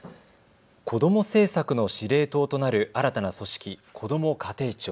子ども政策の司令塔となる新たな組織、こども家庭庁。